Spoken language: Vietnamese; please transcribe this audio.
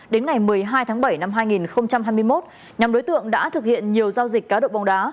đến ngày một mươi hai tháng bảy năm hai nghìn hai mươi một nhóm đối tượng đã thực hiện nhiều giao dịch cá độ bóng đá